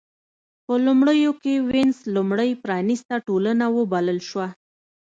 په لومړیو کې وینز لومړۍ پرانېسته ټولنه وبلل شوه.